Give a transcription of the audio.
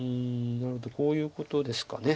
なるほどこういうことですか。